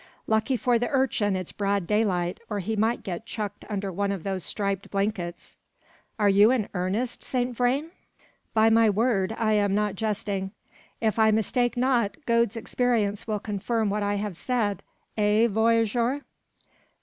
Lucky for the urchin it's broad daylight, or he might get chucked under one of those striped blankets." "Are you in earnest, Saint Vrain?" "By my word, I am not jesting! If I mistake not, Gode's experience will confirm what I have said. Eh, voyageur?"